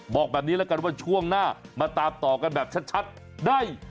บอกแบบนี้แล้วกันว่าช่วงหน้ามาตามต่อกันแบบชัดได้